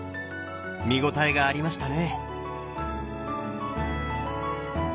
見応えがありましたね！